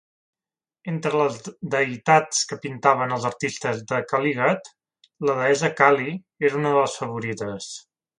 Entre les deïtats que pintaven els artistes de Kalighat, la deessa Kali era una de les favorites.